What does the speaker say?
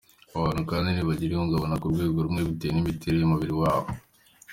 Abantu kandi ntibagira ihungabana ku rwego rumwe bitewe n’ imiterere y’umubiri wabo.